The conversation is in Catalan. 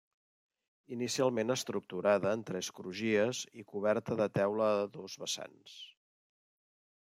Inicialment estructurada en tres crugies i coberta de teula a dos vessants.